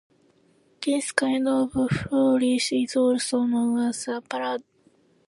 This kind of flourish is also known as a "paraph".